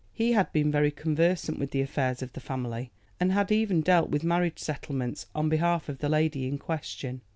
He had been very conversant with the affairs of the family, and had even dealt with marriage settlements on behalf of the lady in question.